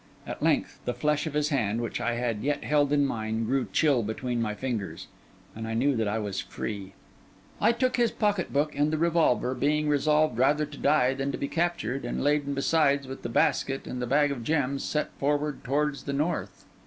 At length, the flesh of his hand, which I yet held in mine, grew chill between my fingers, and I knew that I was free. I took his pocket book and the revolver, being resolved rather to die than to be captured, and laden besides with the basket and the bag of gems, set forward towards the north.